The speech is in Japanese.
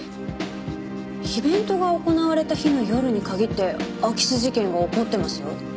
イベントが行われた日の夜に限って空き巣事件が起こってますよ。